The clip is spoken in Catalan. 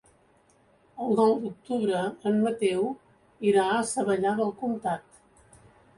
El nou d'octubre en Mateu irà a Savallà del Comtat.